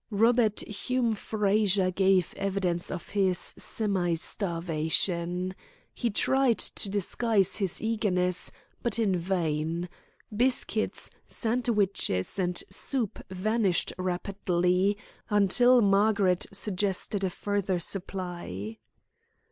Robert Hume Frazer gave evidence of his semi starvation. He tried to disguise his eagerness, but in vain. Biscuits, sandwiches, and soup vanished rapidly, until Margaret suggested a further supply.